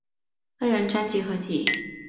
个人专辑合辑